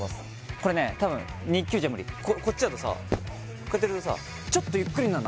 これね多分ニーキューじゃ無理こっちだとさこうやってやるとさちょっとゆっくりになるの